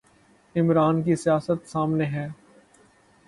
عمران کی سیاست سامنے ہے۔